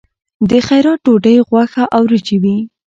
د خیرات ډوډۍ غوښه او وریجې وي.